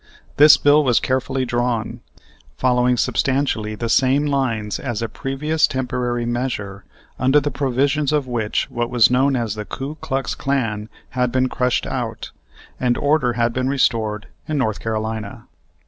This bill was carefully drawn; following substantially the same lines as a previous temporary measure, under the provisions of which what was known as the Ku Klux Klan had been crushed out, and order had been restored in North Carolina.